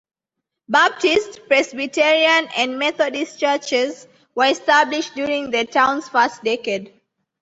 Baptist, Presbyterian and Methodist churches were established during the town's first decade.